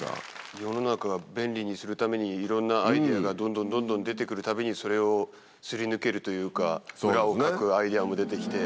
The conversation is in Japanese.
世の中を便利にするためにいろんなアイデアがどんどんどんどん出てくるたびに、それをすり抜けるというか、裏をかくアイデアも出てきて。